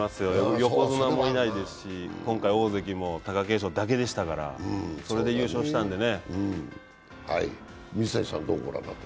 横綱もいないですし、今回大関も貴景勝だけでしたから、それで優勝したんでね。